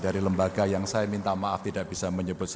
dari lembaga yang saya minta maaf tidak bisa menyebut